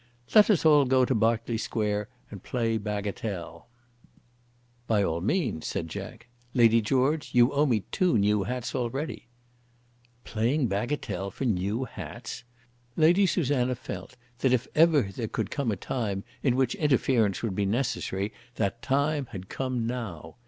"Let us all go to Berkeley Square and play bagatelle." "By all means," said Jack. "Lady George, you owe me two new hats already." Playing bagatelle for new hats! Lady Susanna felt that if ever there could come a time in which interference would be necessary that time had come now.